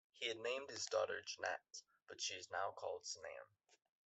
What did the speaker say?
He had named his daughter Jannat, but she is now called Sanam.